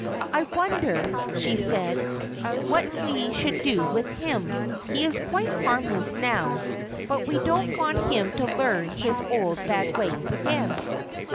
"I wonder," she said, "what we should do with him. He is quite harmless now, but we don't want him to learn his old, bad ways again."